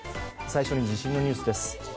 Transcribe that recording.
最初に、地震のニュースです。